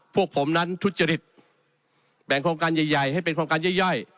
พวกผมนั้นทุจริตแบ่งโครงการใหญ่ให้เป็นโครงการย่อย